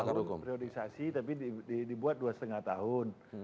lima tahun priorisasi tapi dibuat dua lima tahun